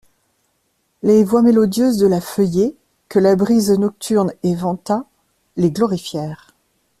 Les voix mélodieuses de la feuillée, que la brise nocturne éventa, les glorifièrent.